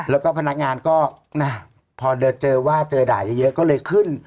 แล้วก็พนักงานก็พอเจอว่าเจอด่าเยอะก็เลยขึ้น